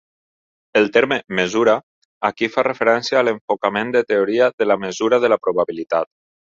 El terme "mesura" aquí fa referència a l'enfocament de teoria de la mesura de la probabilitat.